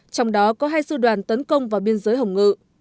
trong đó có hai sư đoàn tấn công vào biên giới hồng ngự